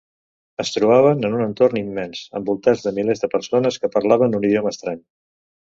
Es trobaven en un entorn immens, envoltats de milers de persones que parlaven un idioma estrany.